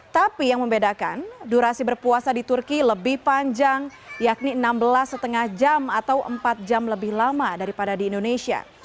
tapi yang membedakan durasi berpuasa di turki lebih panjang yakni enam belas lima jam atau empat jam lebih lama daripada di indonesia